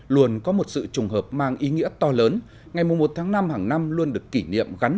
luôn có một sự trùng hợp mang ý nghĩa to lớn ngày một tháng năm hàng năm luôn được kỷ niệm gắn